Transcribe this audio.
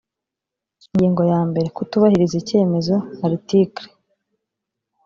ingingo ya mbere kutubahiriza icyemezo article